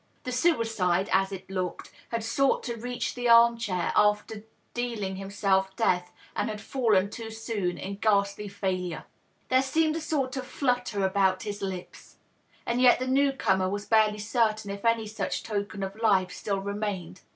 The sui cide, as it looked, had sought to reach the arm chair after dealing him self death, and had feUen too soon, in ghastly fiiilure. There seemed a sort of flutter about his lips ; and yet the new comer was barely cer tain if any such token of life still remained.